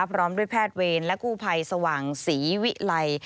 พร้อมด้วยแพทย์เวรและกู้ภัยสว่างศรีวิลัย